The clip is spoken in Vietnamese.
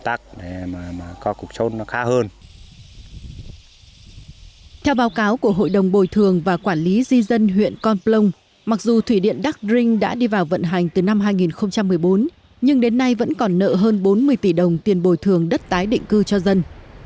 theo báo cáo của hội đồng bồi thường và quản lý di dân huyện con plông mặc dù thủy điện đắc rinh đã đi vào vận hành từ năm hai nghìn một mươi bốn nhưng đến nay vẫn còn nợ hơn bốn mươi tỷ đồng tiền bồi thường đất tái định cư cho dân